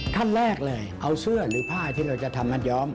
ขั้นแรกเลยเอาเสื้อหรือผ้าที่เราจะทำมัดย้อม